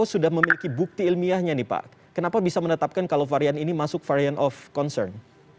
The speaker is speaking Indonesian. sudah memiliki bukti ilmiahnya nih pak kenapa bisa menetapkan kalau varian ini masuk varian of concern